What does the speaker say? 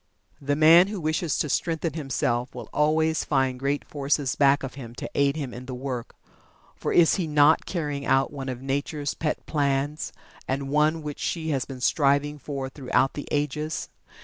The man who wishes to strengthen himself will always find great forces back of him to aid him in the work, for is he not carrying out one of Nature's pet plans, and one which she has been striving for throughout the ages.